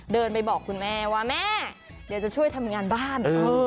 เดินไปบอกคุณแม่ว่าแม่เดี๋ยวจะช่วยทำงานบ้าน